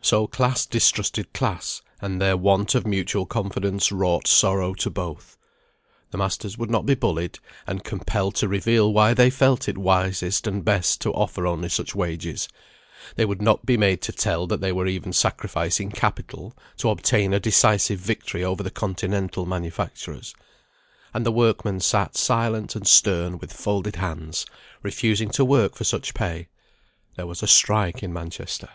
So class distrusted class, and their want of mutual confidence wrought sorrow to both. The masters would not be bullied, and compelled to reveal why they felt it wisest and best to offer only such low wages; they would not be made to tell that they were even sacrificing capital to obtain a decisive victory over the continental manufacturers. And the workmen sat silent and stern with folded hands, refusing to work for such pay. There was a strike in Manchester.